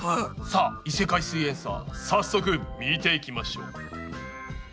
さあ異世界すイエんサー早速見ていきましょう！